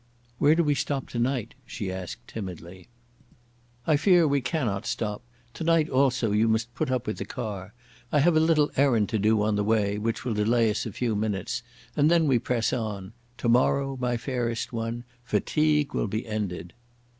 "Where do we stop tonight?" she asked timidly. "I fear we cannot stop. Tonight also you must put up with the car. I have a little errand to do on the way, which will delay us a few minutes, and then we press on. Tomorrow, my fairest one, fatigue will be ended."